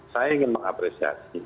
saya ingin mengapresiasi